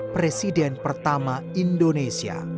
presiden pertama indonesia